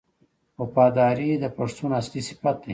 وفاداري د پښتون اصلي صفت دی.